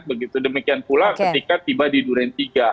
begitu demikian pula ketika tiba di duren tiga